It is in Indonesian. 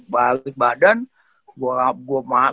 balik badan gue bener bener teriak tengah tengah gitu ya